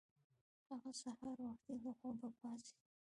هغه سهار وختي له خوبه پاڅیده.